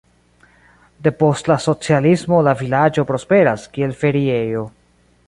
Depost la socialismo la vilaĝo prosperas, kiel feriejo.